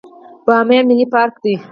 بامیان ملي پارک دی